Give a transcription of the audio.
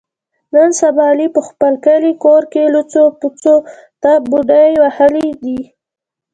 نن سبا علي په خپل کلي کور کې لوڅو پوڅو ته بډې وهلې دي.